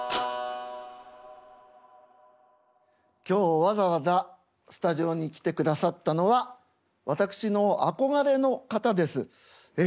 今日わざわざスタジオに来てくださったのは私の憧れの方です。